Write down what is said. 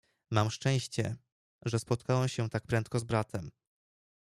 "Mam szczęście, że spotkałem się tak prędko z bratem."